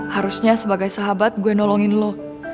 harusnya sebagai sahabat gue nolongin lo